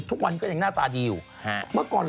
ทุกวันก็ยังหน้าตาดีอยู่เมื่อก่อน